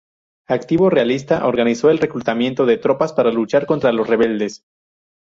Activo lealista, organizó el reclutamiento de tropas para luchar contra los rebeldes.